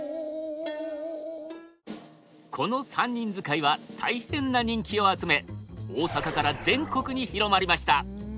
この三人遣いは大変な人気を集め大阪から全国に広まりました。